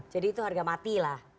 jadi itu harga mati lah